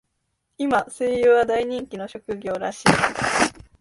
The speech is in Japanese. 今、声優は大人気の職業らしい。